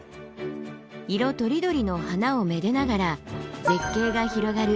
色とりどりの花を愛でながら絶景が広がる